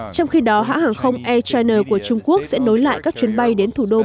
trong khi đó hãng hàng không air china của trung quốc sẽ nối lại các chuyến bay đến thủ đô